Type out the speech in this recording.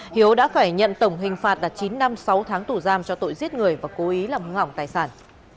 hiếu đã phải nhận tổng hình phạt là chín năm sáu tháng tù giam cho tội giết người và cố ý làm hư hỏng tài sản